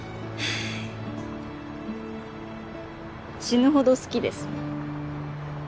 死ぬほど好きです。